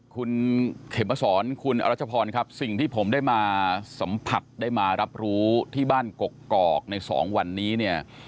คุณเขมสอนคุณอรัชพรครับสิ่งที่ผมได้มาสัมผัสได้มารับรู้ที่บ้านกกอกใน๒วันนี้เนี่ย